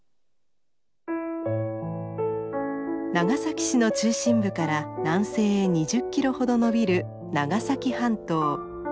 長崎市の中心部から南西へ２０キロほど延びる長崎半島。